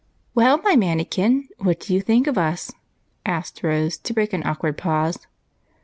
"Well, my mannikin, what do you think of us?" asked Rose, to break an awkward pause.